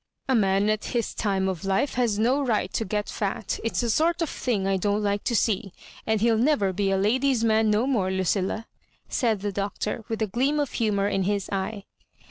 " A man at his time of life has no right to get fat — it's a sort of thing I don't like to see. And he'll never be a ladies' man no more, Lucilla," said the Doctor, with a gleam of humour in his eye.